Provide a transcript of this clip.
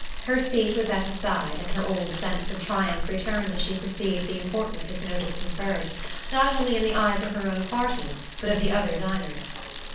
Her seat was at his side, and her old sense of triumph returned as she perceived the importance his notice conferred, not only in the eyes of her own party but of the other diners.